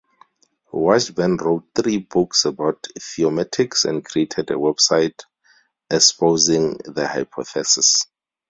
Washburn wrote three books about theomatics and created a website espousing the hypothesis.